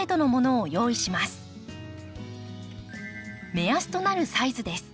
目安となるサイズです。